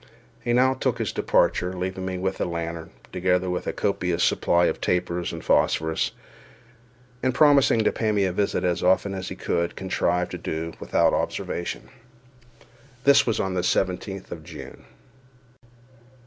He now took his departure, leaving with me the lantern, together with a copious supply of tapers and phosphorous, and promising to pay me a visit as often as he could contrive to do so without observation. This was on the seventeenth of June.